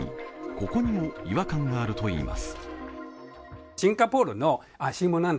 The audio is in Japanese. ここにも違和感があるといいます。